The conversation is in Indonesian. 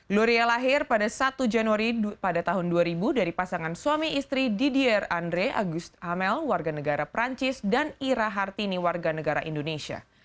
gloria lahir pada satu januari pada tahun dua ribu dari pasangan suami istri didier andre agus amel warga negara perancis dan ira hartini warga negara indonesia